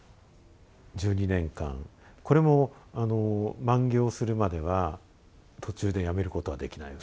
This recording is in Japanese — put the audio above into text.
１２年間これも満行するまでは途中でやめることはできない。